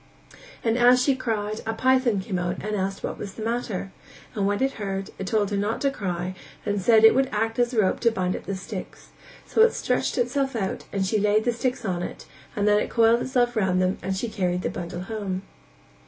and as she cried a python came out and asked what was the matter, and when it heard, it told her not to cry and said that it would act as a rope to bind up the sticks; so it stretched itself out and she laid the sticks on it and then it coiled itself round them and she carried the bundle home.